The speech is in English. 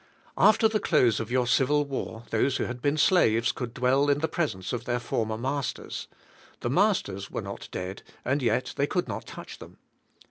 After the close of your civil war thosr SKVKN BI^KSSINGS. 19 who had been slaves could dwell in the presence of their former masters; the masters were not dead and yet they could not touch them.